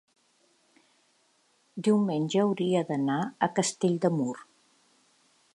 diumenge hauria d'anar a Castell de Mur.